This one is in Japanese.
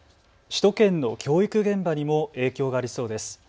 首都圏の教育現場にも影響がありそうです。